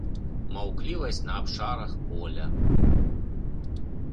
Маўклівасць на абшарах поля.